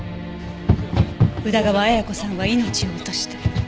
宇田川綾子さんは命を落とした。